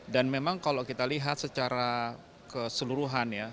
memang kalau kita lihat secara keseluruhan ya